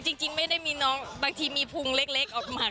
จริงไม่ได้มีน้องบางทีมีพุงเล็กออกมา